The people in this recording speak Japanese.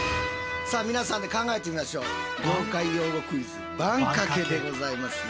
さあ皆さんで考えてみましょう。